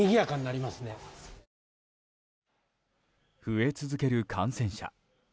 増え続ける感染者。